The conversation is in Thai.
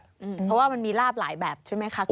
เพราะว่ามันมีลาบหลายแบบใช่ไหมคะคุณ